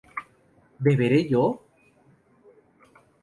¿beberé yo?